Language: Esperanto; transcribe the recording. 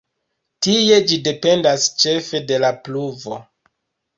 Tie ĝi dependas ĉefe de la pluvo.